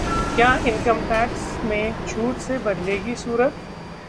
क्या income tax में छूट से बदलेगी सूरत?